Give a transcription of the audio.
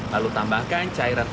lalu tambahkan cairan